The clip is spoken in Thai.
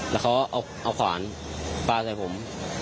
แล้วเขาเอาขวานปลาใส่ผม